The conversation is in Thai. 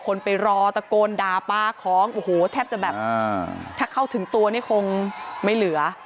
คนไปรอตะโกนด่าปลาของโอ้โหแทบจะแบบถ้าเข้าถึงตัวนี่คงไม่เหลือ